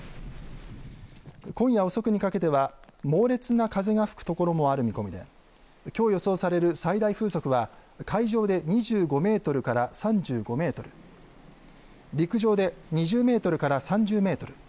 今夜遅くにかけては猛烈な風が吹くところもある見込みできょう予想される最大風速は海上で２５メートルから３５メートル陸上で２０メートルから３０メートル